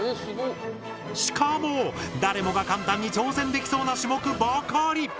しかも誰もが簡単に挑戦できそうな種目ばかり。